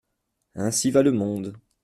Ainsi va le monde !